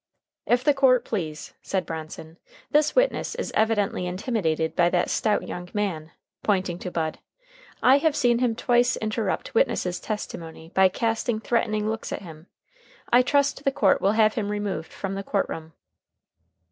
"If the court please," said Bronson, "this witness is evidently intimidated by that stout young man," pointing to Bud. "I have seen him twice interrupt witness's testimony by casting threatening looks at him, I trust the court will have him removed from the court room."